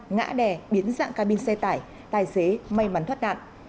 ngã đè biến dạng ca bin xe tải tài xế may mắn thoát nạn